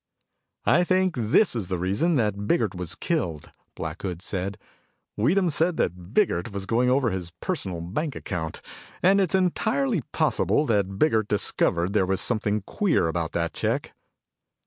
"I think this is the reason that Biggert was killed," Black Hood said. "Weedham said that Biggert was going over his personal bank account, and it's entirely possible that Biggert discovered there was something queer about that check."